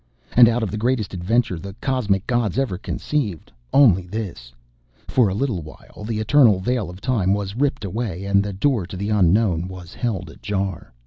And out of the greatest adventure the cosmic gods ever conceived only this: For a little while the eternal veil of time was ripped away and the door to the unknown was held ajar.